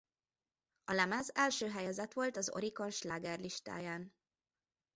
A lemez első helyezett volt az Oricon slágerlistáján.